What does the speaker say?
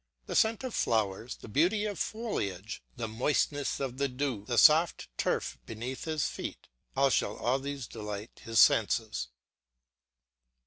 The scent of flowers, the beauty of foliage, the moistness of the dew, the soft turf beneath his feet, how shall all these delight his senses.